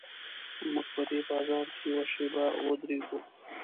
موږ په دې بازار کې یوه شېبه ودرېدو.